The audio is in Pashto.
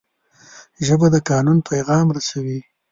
ژبه د قانون پیغام رسوي